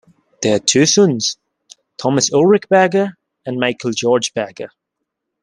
They had two sons, Thomas Ulrich Berger and Michael George Berger.